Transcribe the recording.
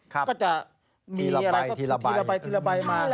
ก็จะมีอะไรทีละใบมาก